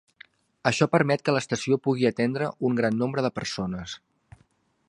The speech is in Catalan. Això permet que l'estació pugui atendre un gran nombre de persones.